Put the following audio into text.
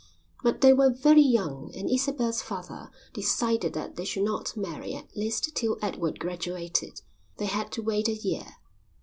But they were very young and Isabel's father decided that they should not marry at least till Edward graduated. They had to wait a year.